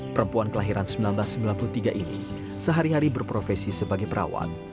perempuan kelahiran seribu sembilan ratus sembilan puluh tiga ini sehari hari berprofesi sebagai perawat